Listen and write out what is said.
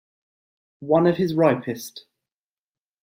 One of his ripest.